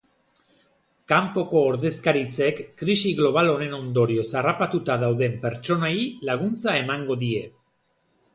Kanpoko ordezkaritzek krisi global honen ondorioz harrapatuta dauden pertsonei laguntza emango diete.